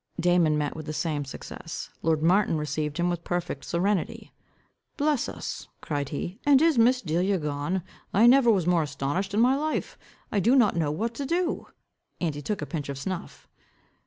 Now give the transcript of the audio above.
Damon met with the same success. Lord Martin received him with perfect serenity. "Bless us," cried he, "and is Miss Delia gone? I never was more astonished in my life. I do not know what to do," and he took a pinch of snuff.